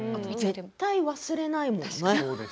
絶対に忘れないもんね。